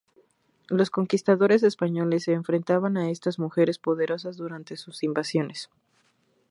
Los conquistadores españoles se enfrentaban a estas mujeres poderosas durante sus invasiones.